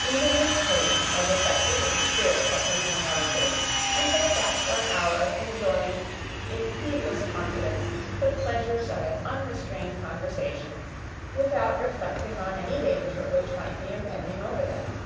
Even Miss Peyton was affected with the spirits of her young relatives; and they sat for an hour enjoying, in heedless confidence, the pleasures of an unrestrained conversation, without reflecting on any danger which might be impending over them.